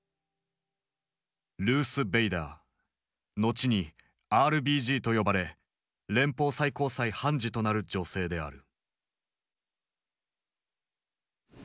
後に「ＲＢＧ」と呼ばれ連邦最高裁判事となる女性である。